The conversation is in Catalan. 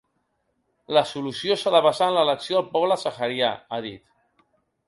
“La solució s’ha de basar en l’elecció del poble saharià”, ha dit.